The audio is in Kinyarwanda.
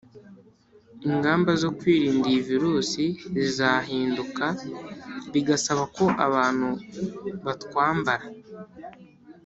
Ingamba zo kwirinda iyi virus zizahinduka, bigasaba ko abantu ba twambara